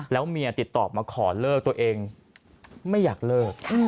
แล้วเมียติดต่อมาขอเลิกตัวเองไม่อยากเลิก